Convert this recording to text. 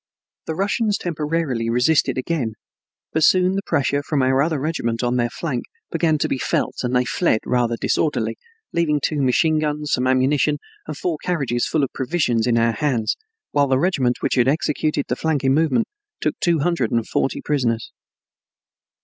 The Russians temporarily resisted again, but soon the pressure from our other regiment on their flank began to be felt and they fled rather disorderly, leaving two machine guns, some ammunition, and four carriages full of provisions in our hands, while the regiment which had executed the flanking movement took two hundred and forty prisoners.